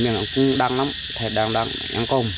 miệng cũng đắng lắm thầy đang ăn côn